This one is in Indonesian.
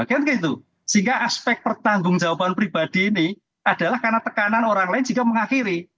kan gitu sehingga aspek pertanggung jawaban pribadi ini adalah karena tekanan orang lain jika mengakhiri